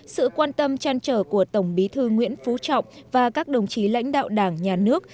sự quan tâm chăn trở của tổng bí thư nguyễn phú trọng và các đồng chí lãnh đạo đảng nhà nước